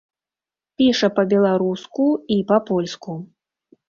Піша па-беларуску і па-польску.